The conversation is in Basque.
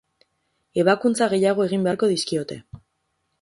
Ebakuntza gehiago egin beharko dizkiote.